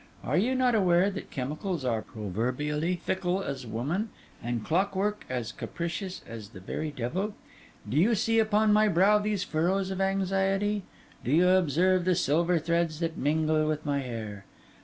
Are you not aware that chemicals are proverbially fickle as woman, and clockwork as capricious as the very devil? Do you see upon my brow these furrows of anxiety? Do you observe the silver threads that mingle with my hair?